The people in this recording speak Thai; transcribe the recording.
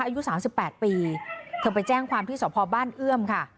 อายุสามสิบแปดปีเธอไปแจ้งความที่สอบพอบ้านเอื้อมค่ะ